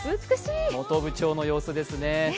本部町の様子ですね。